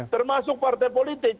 termasuk partai politik